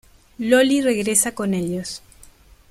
Loli regresa con ellos.